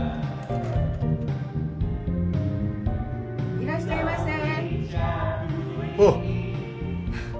・いらっしゃいませーおう！